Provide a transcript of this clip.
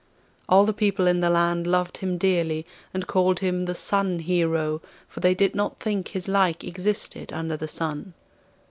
All the people in the land loved him dearly, and called him the Sun Hero, for they did not think his like existed under the sun.